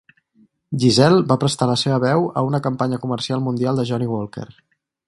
Gisele va prestar la seva veu a una campanya comercial mundial de Johnnie Walker.